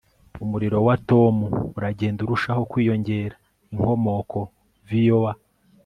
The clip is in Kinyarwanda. umuriro wa tom uragenda urushaho kwiyongera. (inkomoko_voa